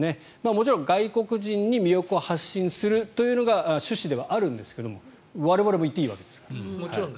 もちろん外国人に魅力を発信するのが趣旨ではありますが我々も行っていいわけですから。